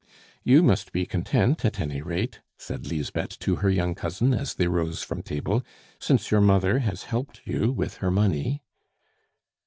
"You must be content, at any rate," said Lisbeth to her young cousin, as they rose from table, "since your mother has helped you with her money."